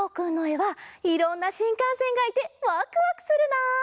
はいろんなしんかんせんがいてワクワクするな！